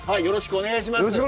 よろしくお願いします。